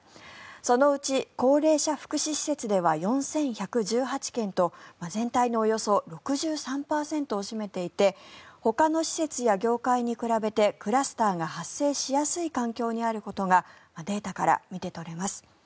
そのうち高齢者福祉施設では４１１８件と全体のおよそ６３％を占めていてほかの施設や業界に比べてクラスターが発生しやすい環境にあることがデータから見て取れます。